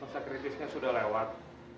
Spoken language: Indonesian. masa kritisnya sudah lewat